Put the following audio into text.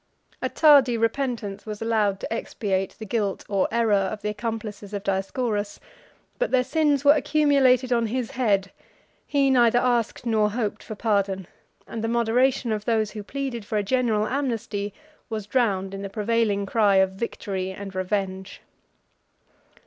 A tardy repentance was allowed to expiate the guilt or error of the accomplices of Dioscorus: but their sins were accumulated on his head; he neither asked nor hoped for pardon, and the moderation of those who pleaded for a general amnesty was drowned in the prevailing cry of victory and revenge.